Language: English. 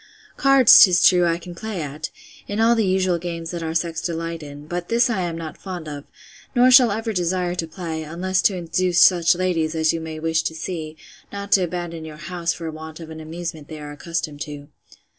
Cards, 'tis true, I can play at, in all the usual games that our sex delight in; but this I am not fond of, nor shall ever desire to play, unless to induce such ladies, as you may wish to see, not to abandon your house for want of an amusement they are accustomed to.